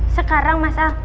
sekarang mas al